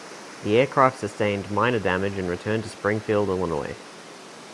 The aircraft sustained minor damage and returned to Springfield, Illinois.